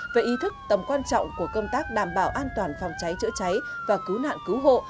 về ý thức tầm quan trọng của công tác đảm bảo an toàn phòng cháy chữa cháy và cứu nạn cứu hộ